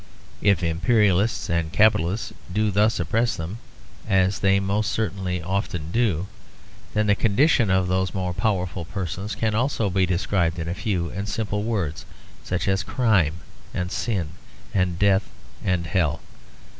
If imperialists and capitalists do thus oppress them, as they most certainly often do, then the condition of those more powerful persons can also be described in few and simple words; such as crime and sin and death and hell.